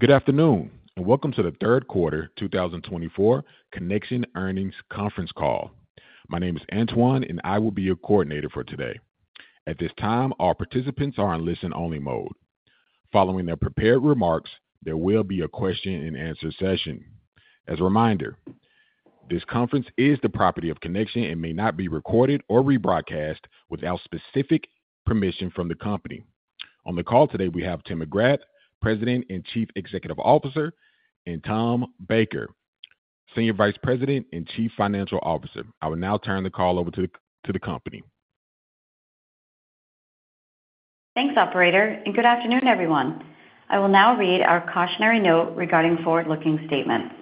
Good afternoon and welcome to the Third Quarter 2024 Connection Earnings Conference Call. My name is Antoine, and I will be your coordinator for today. At this time, all participants are in listen-only mode. Following their prepared remarks, there will be a question and answer session. As a reminder, this conference is the property of Connection and may not be recorded or rebroadcast without specific permission from the company. On the call today, we have Tim McGrath, President and Chief Executive Officer, and Tom Baker, Senior Vice President and Chief Financial Officer. I will now turn the call over to the company. Thanks, Operator, and good afternoon, everyone. I will now read our cautionary note regarding forward-looking statements.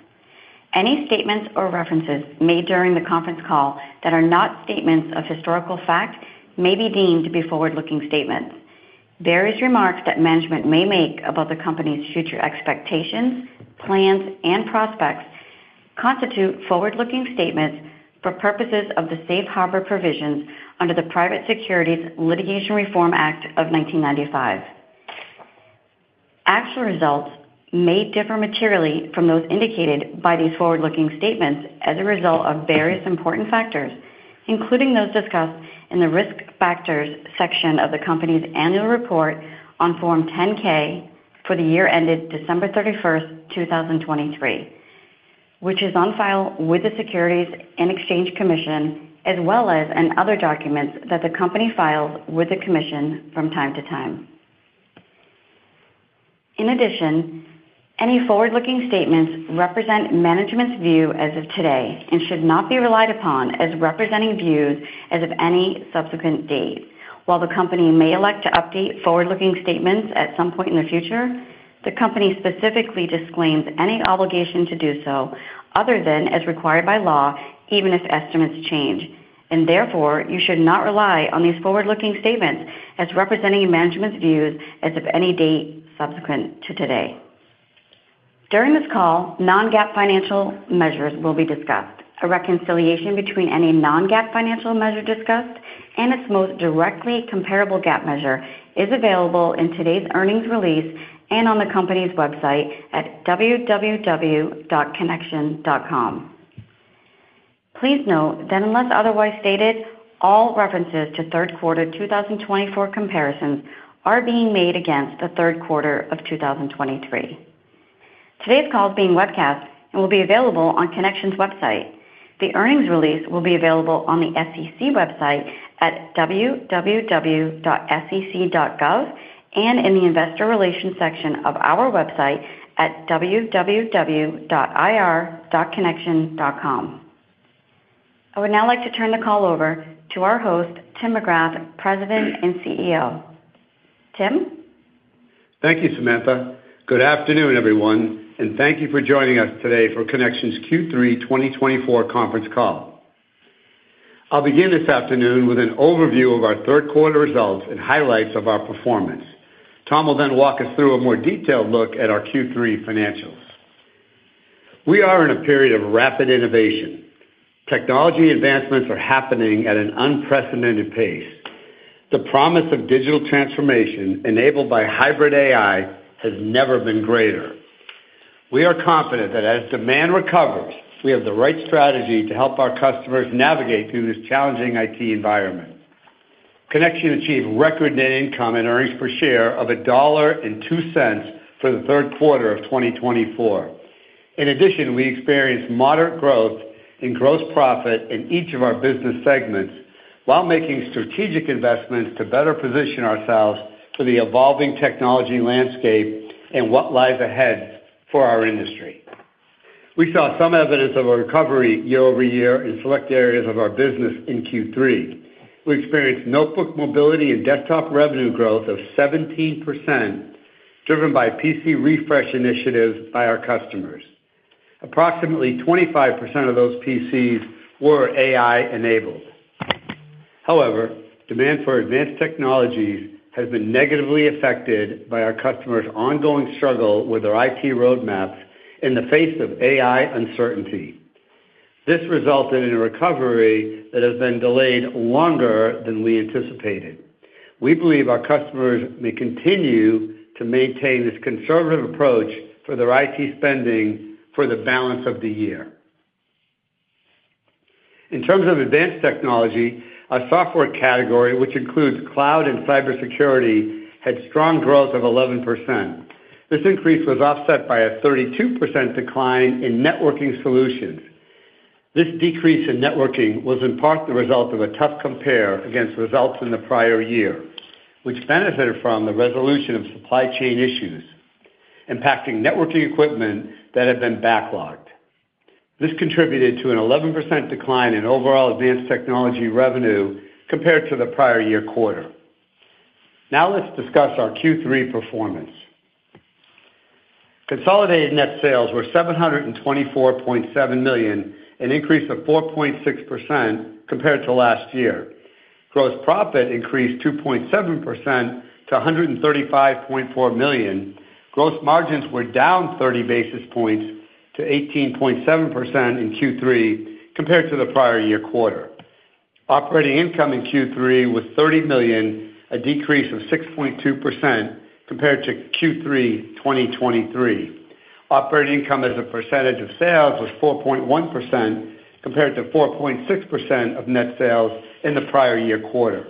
Any statements or references made during the conference call that are not statements of historical fact may be deemed to be forward-looking statements. Various remarks that management may make about the company's future expectations, plans, and prospects constitute forward-looking statements for purposes of the safe harbor provisions under the Private Securities Litigation Reform Act of 1995. Actual results may differ materially from those indicated by these forward-looking statements as a result of various important factors, including those discussed in the risk factors section of the company's annual report on Form 10-K for the year ended December 31st, 2023, which is on file with the Securities and Exchange Commission, as well as other documents that the company files with the Commission from time to time. In addition, any forward-looking statements represent management's view as of today and should not be relied upon as representing views as of any subsequent date. While the company may elect to update forward-looking statements at some point in the future, the company specifically disclaims any obligation to do so other than as required by law, even if estimates change. And therefore, you should not rely on these forward-looking statements as representing management's views as of any date subsequent to today. During this call, non-GAAP financial measures will be discussed. A reconciliation between any non-GAAP financial measure discussed and its most directly comparable GAAP measure is available in today's earnings release and on the company's website at www.connection.com. Please note that unless otherwise stated, all references to third quarter 2024 comparisons are being made against the third quarter of 2023. Today's call is being webcast and will be available on Connection's website. The earnings release will be available on the SEC website at www.sec.gov and in the investor relations section of our website at www.ir.connection.com. I would now like to turn the call over to our host, Tim McGrath, President and CEO. Tim? Thank you, Samantha. Good afternoon, everyone, and thank you for joining us today for Connection's Q3 2024 Conference Call. I'll begin this afternoon with an overview of our third quarter results and highlights of our performance. Tom will then walk us through a more detailed look at our Q3 financials. We are in a period of rapid innovation. Technology advancements are happening at an unprecedented pace. The promise of digital transformation enabled by hybrid AI has never been greater. We are confident that as demand recovers, we have the right strategy to help our customers navigate through this challenging IT environment. Connection achieved record net income and earnings per share of $1.02 for the third quarter of 2024. In addition, we experienced moderate growth in gross profit in each of our business segments while making strategic investments to better position ourselves for the evolving technology landscape and what lies ahead for our industry. We saw some evidence of a recovery year-over-year in select areas of our business in Q3. We experienced notebook mobility and desktop revenue growth of 17%, driven by PC refresh initiatives by our customers. Approximately 25% of those PCs were AI-enabled. However, demand for advanced technologies has been negatively affected by our customers' ongoing struggle with their IT roadmaps in the face of AI uncertainty. This resulted in a recovery that has been delayed longer than we anticipated. We believe our customers may continue to maintain this conservative approach for their IT spending for the balance of the year. In terms of advanced technology, our software category, which includes cloud and cybersecurity, had strong growth of 11%. This increase was offset by a 32% decline in networking solutions. This decrease in networking was in part the result of a tough compare against results in the prior year, which benefited from the resolution of supply chain issues impacting networking equipment that had been backlogged. This contributed to an 11% decline in overall advanced technology revenue compared to the prior year quarter. Now let's discuss our Q3 performance. Consolidated net sales were $724.7 million, an increase of 4.6% compared to last year. Gross profit increased 2.7% to $135.4 million. Gross margins were down 30 basis points to 18.7% in Q3 compared to the prior year quarter. Operating income in Q3 was $30 million, a decrease of 6.2% compared to Q3 2023. Operating income as a percentage of sales was 4.1% compared to 4.6% of net sales in the prior year quarter.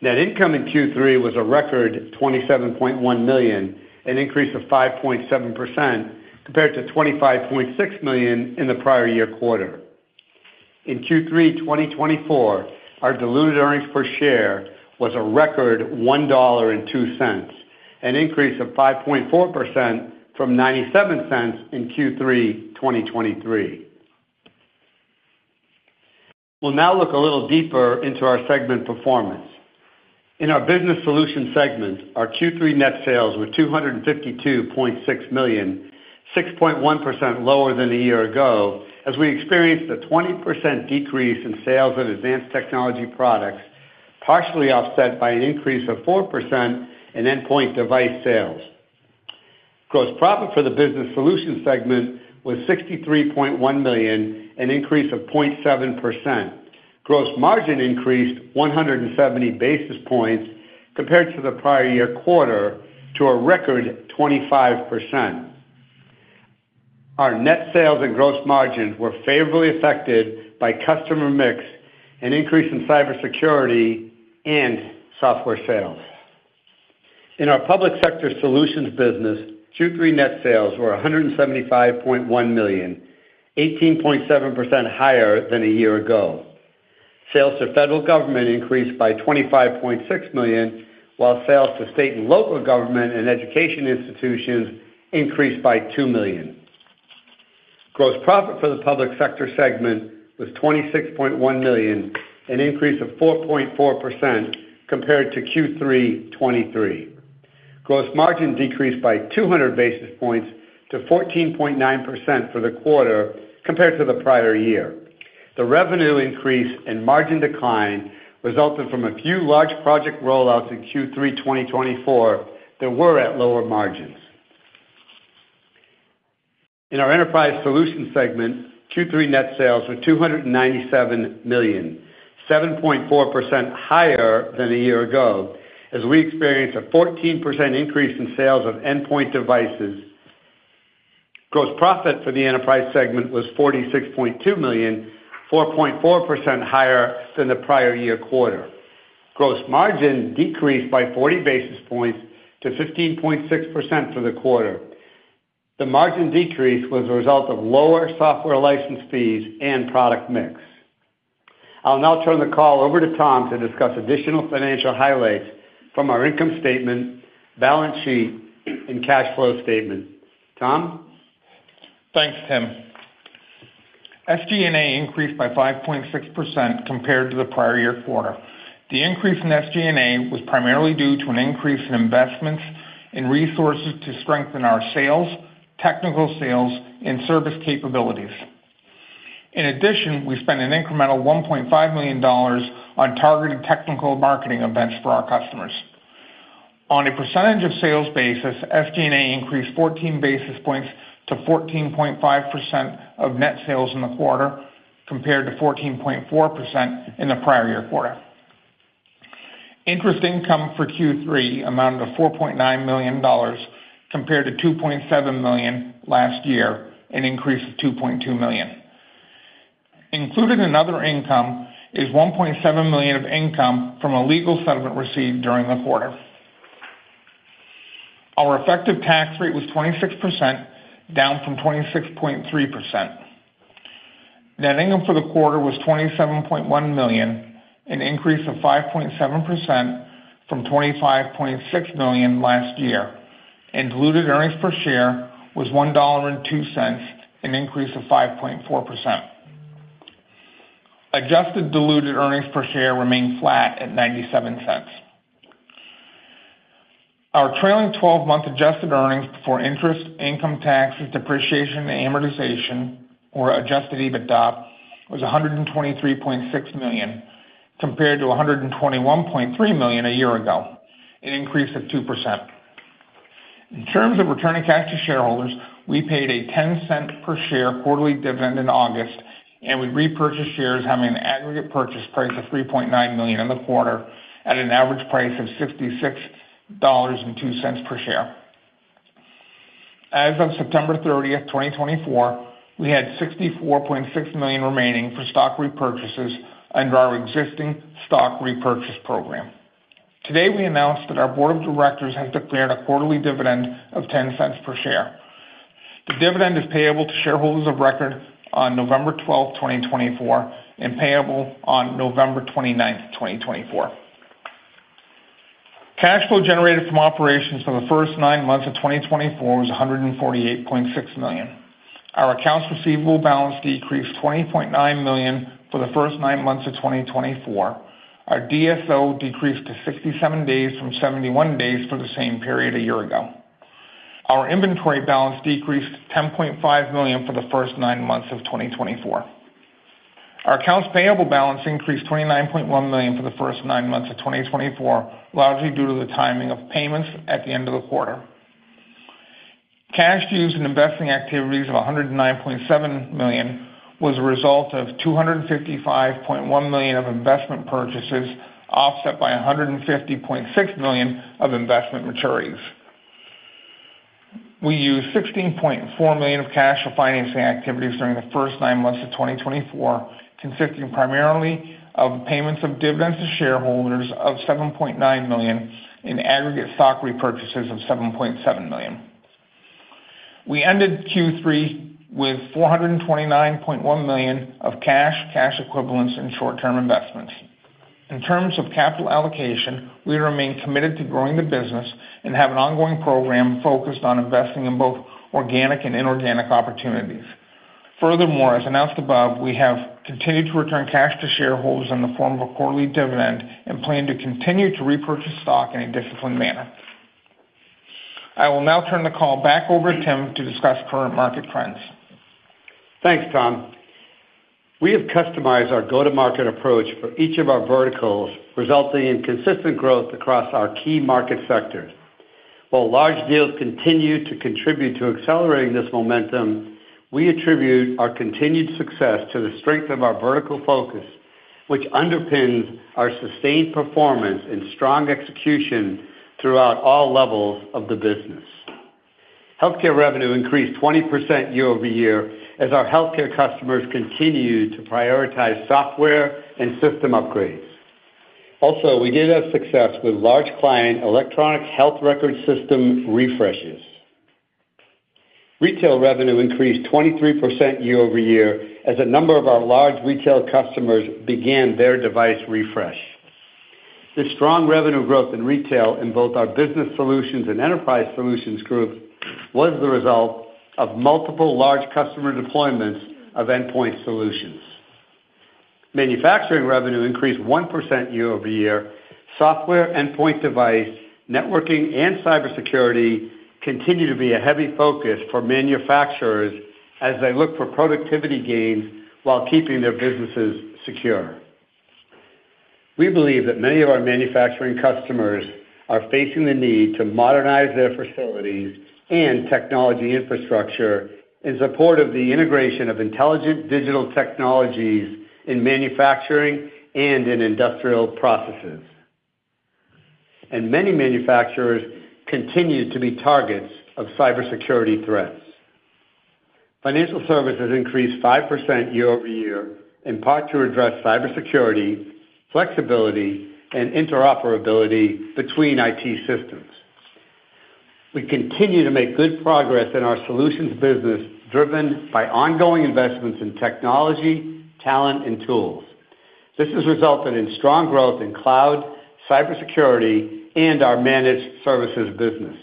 Net income in Q3 was a record $27.1 million, an increase of 5.7% compared to $25.6 million in the prior year quarter. In Q3 2024, our diluted earnings per share was a record $1.02, an increase of 5.4% from $0.97 in Q3 2023. We'll now look a little deeper into our segment performance. In our Business Solutions segment, our Q3 net sales were $252.6 million, 6.1% lower than a year ago, as we experienced a 20% decrease in sales of advanced technology products, partially offset by an increase of 4% in endpoint device sales. Gross profit for the Business Solutions segment was $63.1 million, an increase of 0.7%. Gross margin increased 170 basis points compared to the prior year quarter to a record 25%. Our net sales and gross margins were favorably affected by customer mix, an increase in cybersecurity, and software sales. In our Public Sector Solutions business, Q3 net sales were $175.1 million, 18.7% higher than a year ago. Sales to federal government increased by $25.6 million, while sales to state and local government and education institutions increased by $2 million. Gross profit for the public sector segment was $26.1 million, an increase of 4.4% compared to Q3 2023. Gross margin decreased by 200 basis points to 14.9% for the quarter compared to the prior year. The revenue increase and margin decline resulted from a few large project rollouts in Q3 2024 that were at lower margins. In our Enterprise Solutions segment, Q3 net sales were $297 million, 7.4% higher than a year ago, as we experienced a 14% increase in sales of endpoint devices. Gross profit for the enterprise segment was $46.2 million, 4.4% higher than the prior year quarter. Gross margin decreased by 40 basis points to 15.6% for the quarter. The margin decrease was a result of lower software license fees and product mix. I'll now turn the call over to Tom to discuss additional financial highlights from our income statement, balance sheet, and cash flow statement. Tom? Thanks, Tim. SG&A increased by 5.6% compared to the prior year quarter. The increase in SG&A was primarily due to an increase in investments and resources to strengthen our sales, technical sales, and service capabilities. In addition, we spent an incremental $1.5 million on targeted technical marketing events for our customers. On a percentage of sales basis, SG&A increased 14 basis points to 14.5% of net sales in the quarter compared to 14.4% in the prior year quarter. Interest income for Q3 amounted to $4.9 million compared to $2.7 million last year, an increase of $2.2 million. Included in other income is $1.7 million of income from a legal settlement received during the quarter. Our effective tax rate was 26%, down from 26.3%. Net income for the quarter was $27.1 million, an increase of 5.7% from $25.6 million last year. Diluted earnings per share was $1.02, an increase of 5.4%. Adjusted diluted earnings per share remained flat at $0.97. Our trailing 12-month adjusted earnings before interest, income taxes, depreciation, and amortization, or adjusted EBITDA, was $123.6 million compared to $121.3 million a year ago, an increase of 2%. In terms of returning cash to shareholders, we paid a $0.10 per share quarterly dividend in August, and we repurchased shares having an aggregate purchase price of $3.9 million in the quarter at an average price of $66.02 per share. As of September 30th, 2024, we had $64.6 million remaining for stock repurchases under our existing stock repurchase program. Today, we announced that our Board of Directors has declared a quarterly dividend of $0.10 per share. The dividend is payable to shareholders of record on November 12th, 2024, and payable on November 29th, 2024. Cash flow generated from operations for the first nine months of 2024 was $148.6 million. Our accounts receivable balance decreased $20.9 million for the first nine months of 2024. Our DSO decreased to 67 days from 71 days for the same period a year ago. Our inventory balance decreased to $10.5 million for the first nine months of 2024. Our accounts payable balance increased $29.1 million for the first nine months of 2024, largely due to the timing of payments at the end of the quarter. Cash used in investing activities of $109.7 million was a result of $255.1 million of investment purchases offset by $150.6 million of investment maturities. We used $16.4 million of cash for financing activities during the first nine months of 2024, consisting primarily of payments of dividends to shareholders of $7.9 million and aggregate stock repurchases of $7.7 million. We ended Q3 with $429.1 million of cash, cash equivalents, and short-term investments. In terms of capital allocation, we remain committed to growing the business and have an ongoing program focused on investing in both organic and inorganic opportunities. Furthermore, as announced above, we have continued to return cash to shareholders in the form of a quarterly dividend and plan to continue to repurchase stock in a disciplined manner. I will now turn the call back over to Tim to discuss current market trends. Thanks, Tom. We have customized our go-to-market approach for each of our verticals, resulting in consistent growth across our key market sectors. While large deals continue to contribute to accelerating this momentum, we attribute our continued success to the strength of our vertical focus, which underpins our sustained performance and strong execution throughout all levels of the business. Healthcare revenue increased 20% year-over-year as our healthcare customers continued to prioritize software and system upgrades. Also, we did have success with large client electronic health record system refreshes. Retail revenue increased 23% year-over-year as a number of our large retail customers began their device refresh. This strong revenue growth in retail in both our business solutions and enterprise solutions groups was the result of multiple large customer deployments of endpoint solutions. Manufacturing revenue increased 1% year-over-year. Software, endpoint device, networking, and cybersecurity continue to be a heavy focus for manufacturers as they look for productivity gains while keeping their businesses secure. We believe that many of our manufacturing customers are facing the need to modernize their facilities and technology infrastructure in support of the integration of intelligent digital technologies in manufacturing and in industrial processes. Many manufacturers continue to be targets of cybersecurity threats. Financial services increased 5% year-over-year in part to address cybersecurity, flexibility, and interoperability between IT systems. We continue to make good progress in our solutions business driven by ongoing investments in technology, talent, and tools. This has resulted in strong growth in cloud, cybersecurity, and our managed services business.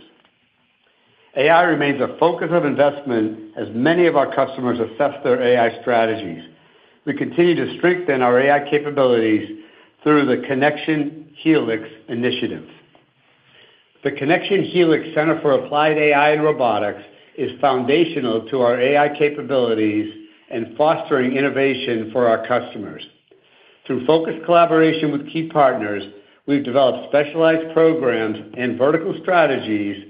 AI remains a focus of investment as many of our customers assess their AI strategies. We continue to strengthen our AI capabilities through CNXN Helix initiative. CNXN Helix Center for Applied AI and Robotics is foundational to our AI capabilities and fostering innovation for our customers. Through focused collaboration with key partners, we've developed specialized programs and vertical strategies,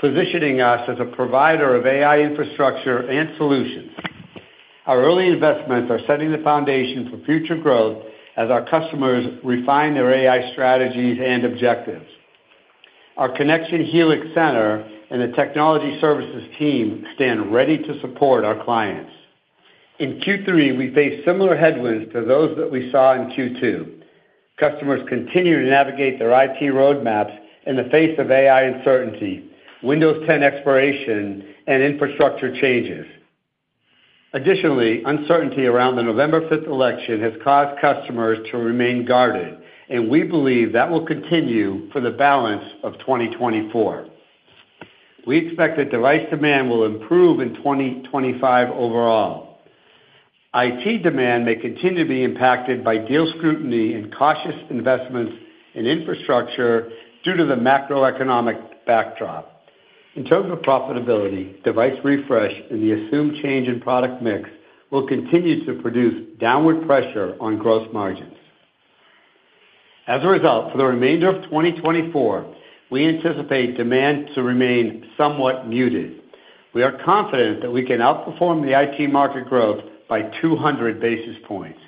positioning us as a provider of AI infrastructure and solutions. Our early investments are setting the foundation for future growth as our customers refine their AI strategies and CNXN Helix Center and the technology services team stand ready to support our clients. In Q3, we faced similar headwinds to those that we saw in Q2. Customers continue to navigate their IT roadmaps in the face of AI uncertainty, Windows 10 expiration, and infrastructure changes. Additionally, uncertainty around the November 5th election has caused customers to remain guarded, and we believe that will continue for the balance of 2024. We expect that device demand will improve in 2025 overall. IT demand may continue to be impacted by deal scrutiny and cautious investments in infrastructure due to the macroeconomic backdrop. In terms of profitability, device refresh and the assumed change in product mix will continue to produce downward pressure on gross margins. As a result, for the remainder of 2024, we anticipate demand to remain somewhat muted. We are confident that we can outperform the IT market growth by 200 basis points.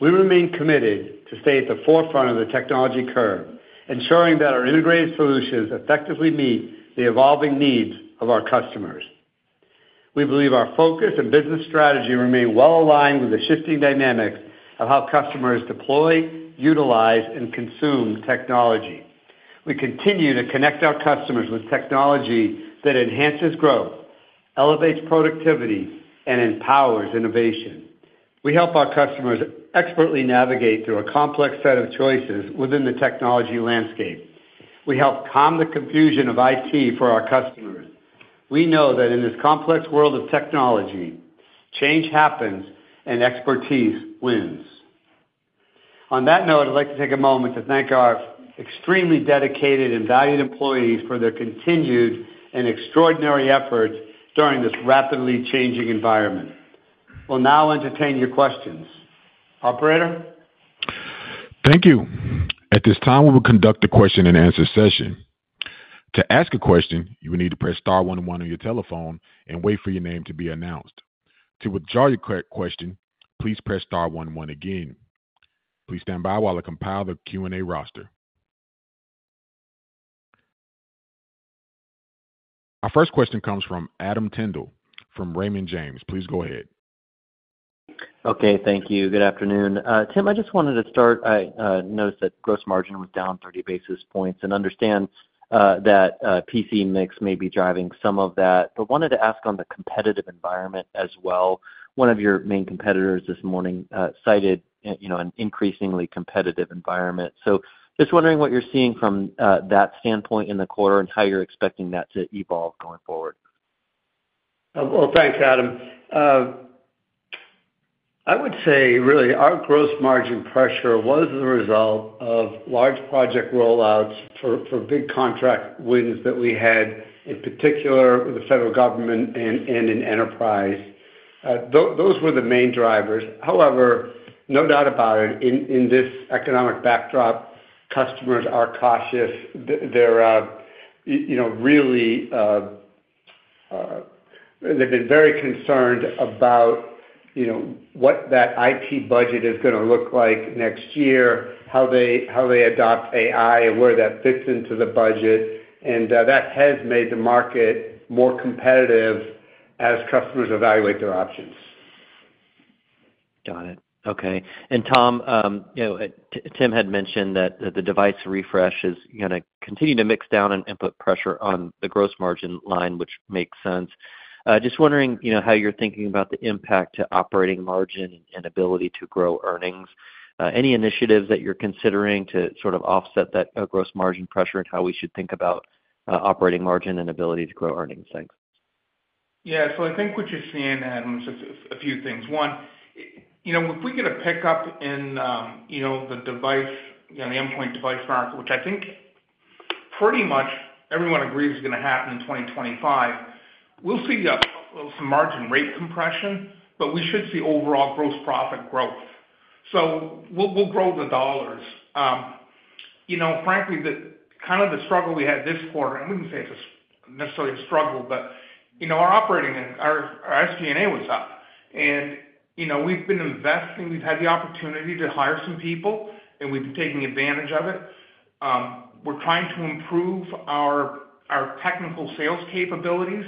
We remain committed to stay at the forefront of the technology curve, ensuring that our integrated solutions effectively meet the evolving needs of our customers. We believe our focus and business strategy remain well aligned with the shifting dynamics of how customers deploy, utilize, and consume technology. We continue to connect our customers with technology that enhances growth, elevates productivity, and empowers innovation. We help our customers expertly navigate through a complex set of choices within the technology landscape. We help calm the confusion of IT for our customers. We know that in this complex world of technology, change happens and expertise wins. On that note, I'd like to take a moment to thank our extremely dedicated and valued employees for their continued and extraordinary efforts during this rapidly changing environment. We'll now entertain your questions. Operator? Thank you. At this time, we will conduct the question and answer session. To ask a question, you will need to press star one one on your telephone and wait for your name to be announced. To withdraw your question, please press star one one again. Please stand by while I compile the Q&A roster. Our first question comes from Adam Tindle from Raymond James. Please go ahead. Okay. Thank you. Good afternoon. Tim, I just wanted to start. I noticed that gross margin was down 30 basis points and understand that PC mix may be driving some of that, but wanted to ask on the competitive environment as well. One of your main competitors this morning cited an increasingly competitive environment. So just wondering what you're seeing from that standpoint in the quarter and how you're expecting that to evolve going forward? Thanks, Adam. I would say really our gross margin pressure was the result of large project rollouts for big contract wins that we had, in particular, with the federal government and in enterprise. Those were the main drivers. However, no doubt about it, in this economic backdrop, customers are cautious. They've been very concerned about what that IT budget is going to look like next year, how they adopt AI, where that fits into the budget, and that has made the market more competitive as customers evaluate their options. Got it. Okay. And Tom, Tim had mentioned that the device refresh is going to continue to mix down and put pressure on the gross margin line, which makes sense. Just wondering how you're thinking about the impact to operating margin and ability to grow earnings? Any initiatives that you're considering to sort of offset that gross margin pressure and how we should think about operating margin and ability to grow earnings? Thanks. Yeah. So I think what you're seeing, Adam, is a few things. One, if we get a pickup in the endpoint device market, which I think pretty much everyone agrees is going to happen in 2025, we'll see some margin rate compression, but we should see overall gross profit growth. So we'll grow the dollars. Frankly, kind of the struggle we had this quarter, and we can say it's necessarily a struggle, but our SG&A was up. And we've been investing. We've had the opportunity to hire some people, and we've been taking advantage of it. We're trying to improve our technical sales capabilities,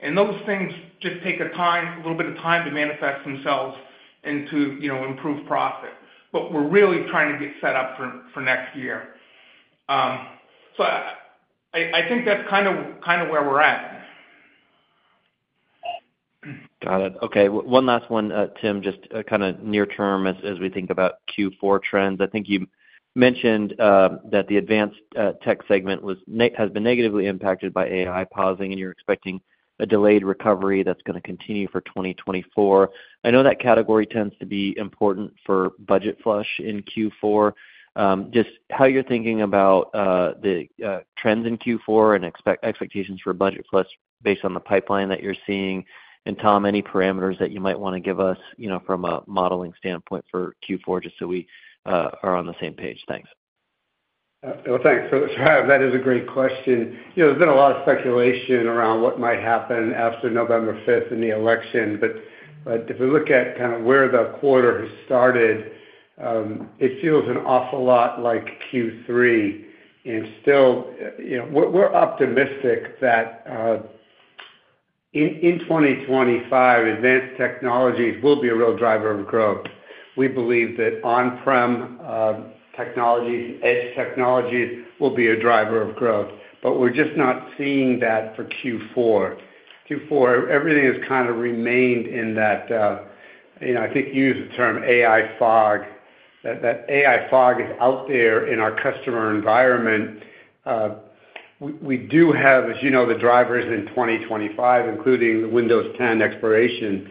and those things just take a little bit of time to manifest themselves and to improve profit. But we're really trying to get set up for next year. So I think that's kind of where we're at. Got it. Okay. One last one, Tim, just kind of near-term as we think about Q4 trends. I think you mentioned that the advanced tech segment has been negatively impacted by AI pausing, and you're expecting a delayed recovery that's going to continue for 2024. I know that category tends to be important for budget flush in Q4. Just how you're thinking about the trends in Q4 and expectations for budget flush based on the pipeline that you're seeing. And Tom, any parameters that you might want to give us from a modeling standpoint for Q4 just so we are on the same page? Thanks. Well, thanks. That is a great question. There's been a lot of speculation around what might happen after November 5th and the election. But if we look at kind of where the quarter has started, it feels an awful lot like Q3. And still, we're optimistic that in 2025, advanced technologies will be a real driver of growth. We believe that on-prem technologies and edge technologies will be a driver of growth, but we're just not seeing that for Q4. Q4, everything has kind of remained in that, I think you used the term AI fog, that AI fog is out there in our customer environment. We do have, as you know, the drivers in 2025, including the Windows 10 expiration.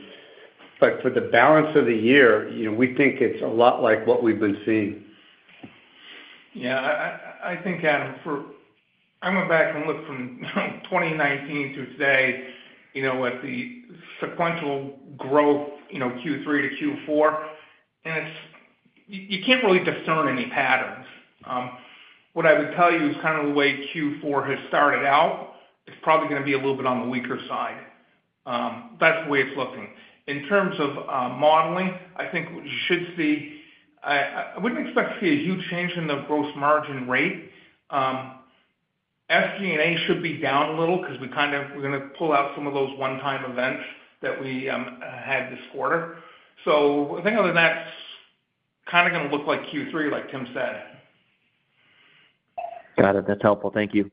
But for the balance of the year, we think it's a lot like what we've been seeing. Yeah. I think, Adam, I went back and looked from 2019 to today at the sequential growth Q3 to Q4, and you can't really discern any patterns. What I would tell you is kind of the way Q4 has started out, it's probably going to be a little bit on the weaker side. That's the way it's looking. In terms of modeling, I think we should see, I wouldn't expect to see a huge change in the gross margin rate. SG&A should be down a little because we're going to pull out some of those one-time events that we had this quarter. So I think other than that, it's kind of going to look like Q3, like Tim said. Got it. That's helpful. Thank you.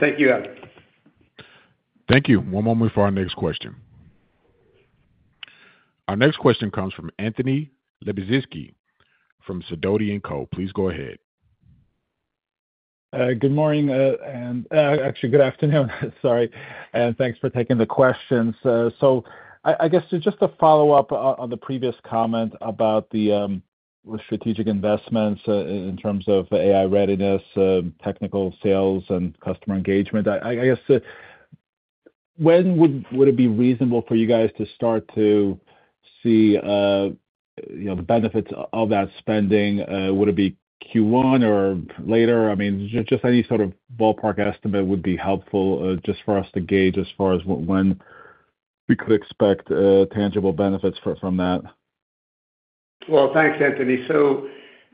Thank you, Adam. Thank you. One moment before our next question. Our next question comes from Anthony Lebiedzinski from Sidoti & Co. Please go ahead. Good morning. Actually, good afternoon. Sorry, and thanks for taking the questions, so I guess just to follow up on the previous comment about the strategic investments in terms of AI readiness, technical sales, and customer engagement, I guess, when would it be reasonable for you guys to start to see the benefits of that spending? Would it be Q1 or later? I mean, just any sort of ballpark estimate would be helpful just for us to gauge as far as when we could expect tangible benefits from that. Thanks, Anthony.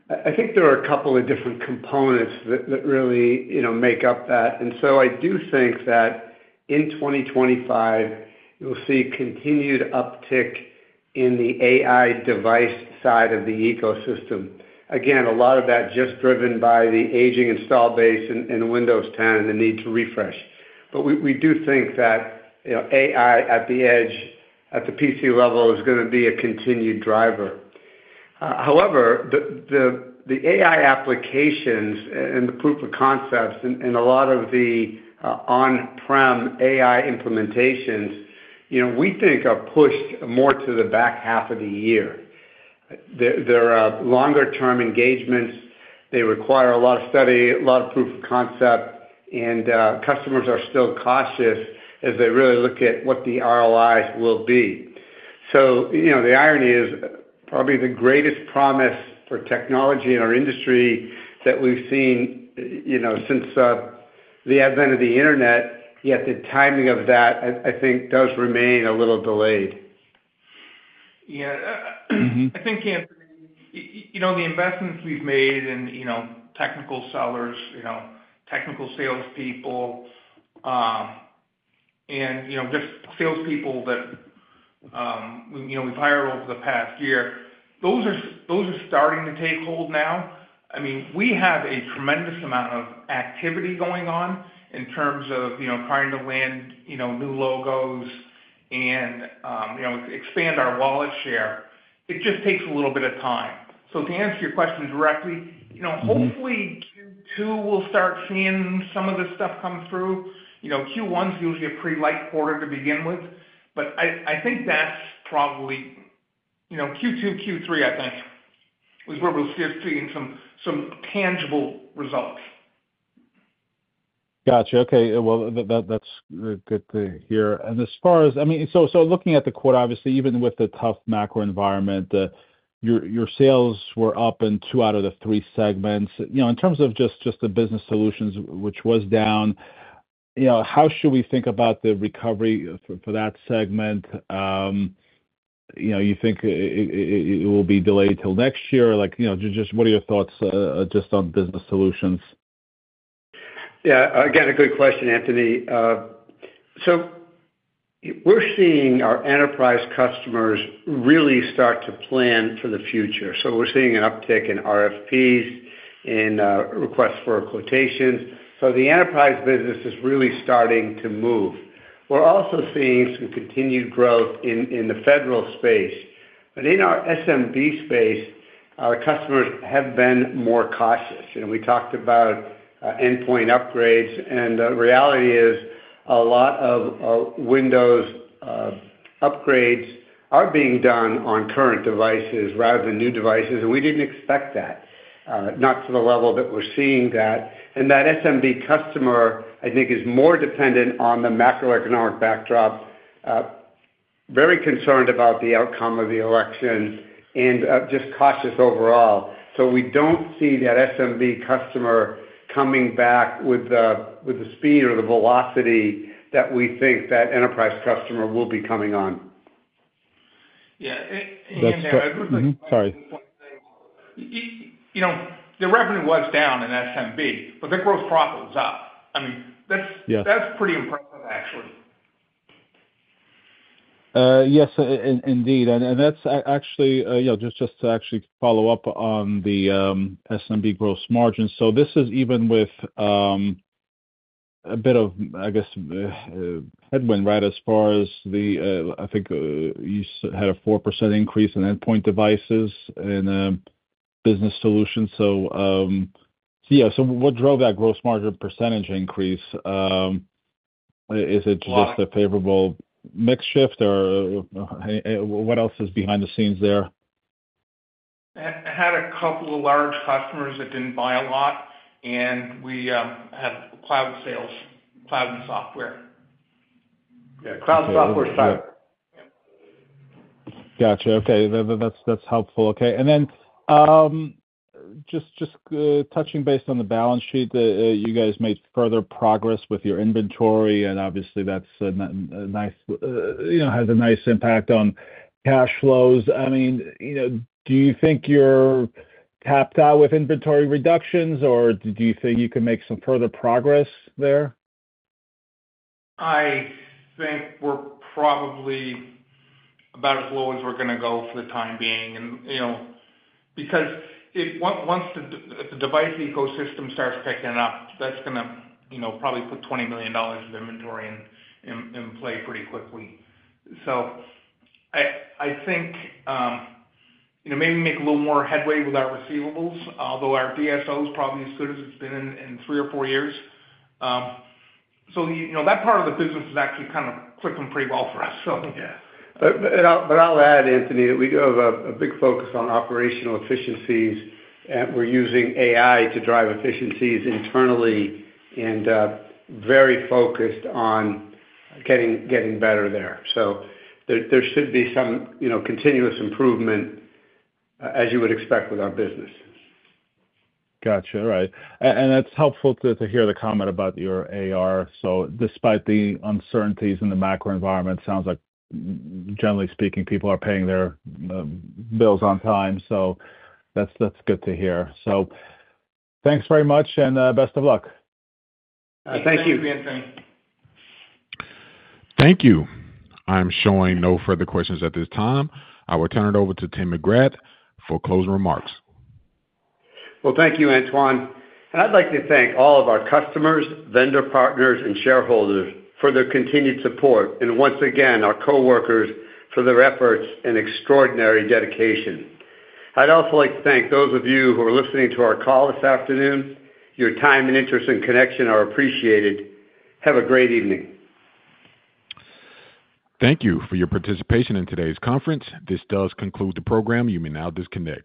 I think there are a couple of different components that really make up that. I do think that in 2025, you'll see continued uptick in the AI device side of the ecosystem. Again, a lot of that just driven by the aging install base and Windows 10 and the need to refresh. We do think that AI at the edge, at the PC level, is going to be a continued driver. However, the AI applications and the proof of concepts and a lot of the on-prem AI implementations, we think, are pushed more to the back half of the year. They're longer-term engagements. They require a lot of study, a lot of proof of concept, and customers are still cautious as they really look at what the ROIs will be. So the irony is probably the greatest promise for technology in our industry that we've seen since the advent of the internet, yet the timing of that, I think, does remain a little delayed. Yeah. I think, Anthony, the investments we've made in technical sellers, technical salespeople, and just salespeople that we've hired over the past year, those are starting to take hold now. I mean, we have a tremendous amount of activity going on in terms of trying to land new logos and expand our wallet share. It just takes a little bit of time. So to answer your question directly, hopefully, Q2, we'll start seeing some of this stuff come through. Q1 is usually a pretty light quarter to begin with, but I think that's probably Q2, Q3, I think, is where we'll start seeing some tangible results. Gotcha. Okay. Well, that's good to hear. And as far as, I mean, so looking at the quarter, obviously, even with the tough macro environment, your sales were up in two out of the three segments. In terms of just the business solutions, which was down, how should we think about the recovery for that segment? You think it will be delayed till next year? Just what are your thoughts just on business solutions? Yeah. Again, a good question, Anthony, so we're seeing our enterprise customers really start to plan for the future, so we're seeing an uptick in RFPs and requests for quotations, so the enterprise business is really starting to move. We're also seeing some continued growth in the federal space, but in our SMB space, our customers have been more cautious. We talked about endpoint upgrades, and the reality is a lot of Windows upgrades are being done on current devices rather than new devices, and we didn't expect that, not to the level that we're seeing that, and that SMB customer, I think, is more dependent on the macroeconomic backdrop, very concerned about the outcome of the election, and just cautious overall, so we don't see that SMB customer coming back with the speed or the velocity that we think that enterprise customer will be coming on. Yeah. And. Sorry. The revenue was down in SMB, but the gross profit was up. I mean, that's pretty impressive, actually. Yes, indeed. And that's actually just to actually follow up on the SMB gross margin. So this is even with a bit of, I guess, headwind, right, as far as the, I think you had a 4% increase in endpoint devices and business solutions. So yeah. So what drove that gross margin percentage increase? Is it just a favorable mix shift, or what else is behind the scenes there? I had a couple of large customers that didn't buy a lot, and we had cloud sales, cloud and software. Yeah. Cloud and software is fine. Gotcha. Okay. That's helpful. Okay. And then just touching based on the balance sheet, you guys made further progress with your inventory, and obviously, that has a nice impact on cash flows. I mean, do you think you're tapped out with inventory reductions, or do you think you can make some further progress there? I think we're probably about as low as we're going to go for the time being. Because once the device ecosystem starts picking up, that's going to probably put $20 million of inventory in play pretty quickly. I think maybe make a little more headway with our receivables, although our DSO is probably as good as it's been in three or four years. That part of the business is actually kind of clicking pretty well for us. Yeah, but I'll add, Anthony, that we do have a big focus on operational efficiencies, and we're using AI to drive efficiencies internally and very focused on getting better there, so there should be some continuous improvement, as you would expect with our business. Gotcha. All right. And that's helpful to hear the comment about your AR. So despite the uncertainties in the macro environment, it sounds like, generally speaking, people are paying their bills on time. So that's good to hear. So thanks very much, and best of luck. Thank you. Thank you, Anthony. Thank you. I'm showing no further questions at this time. I will turn it over to Tim McGrath for closing remarks. Thank you, Antoine. I'd like to thank all of our customers, vendor partners, and shareholders for their continued support, and once again, our coworkers for their efforts and extraordinary dedication. I'd also like to thank those of you who are listening to our call this afternoon. Your time and interest and connection are appreciated. Have a great evening. Thank you for your participation in today's conference. This does conclude the program. You may now disconnect.